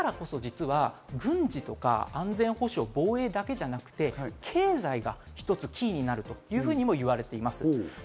だからこそ実は軍事とか安全保障、防衛だけじゃなくて、経済がひとつキーになるというふうにも言われています。